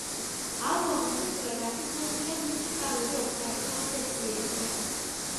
ალბომის სტრუქტურა დაფუძნებულია მუსიკალური ოქტავის კონცეფციაზე.